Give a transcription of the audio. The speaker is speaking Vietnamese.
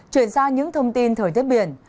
chuyển sang những thông tin thời tiết biển